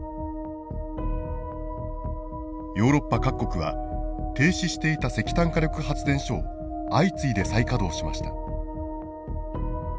ヨーロッパ各国は停止していた石炭火力発電所を相次いで再稼働しました。